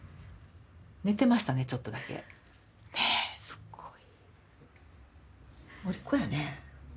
寝てましたねちょっとだけ。ねすごい。